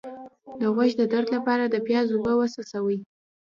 د غوږ درد لپاره د پیاز اوبه وڅڅوئ